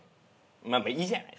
まあまあいいじゃない。